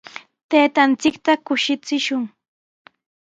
Taytanchikta kushichishun.